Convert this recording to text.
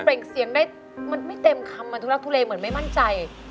มีเสียงได้มันไม่เต็มคำมันทุกลักษ์ทุเรมาไม่มั่นใจ